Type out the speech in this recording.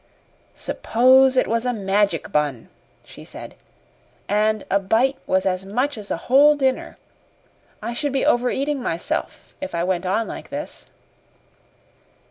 "Suppose it was a magic bun," she said, "and a bite was as much as a whole dinner. I should be overeating myself if I went on like this."